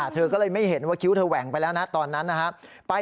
เธอก็เลยไม่เห็นว่าคิ้วเธอแหว่งไปแล้วนะตอนนั้นนะครับ